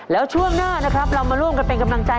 แล้วช่วงหน้านะครับเรามาร่วมกันเป็นกำลังใจ